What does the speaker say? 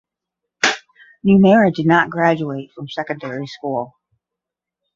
Nomura did not graduate from secondary school.